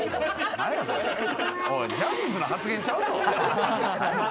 ジャニーズの発言ちゃうぞ。